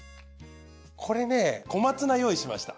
これね小松菜用意しました。